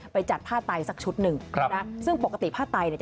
ไปจัดผ้าไตสักชุดหนึ่งครับนะซึ่งปกติผ้าไตเนี่ย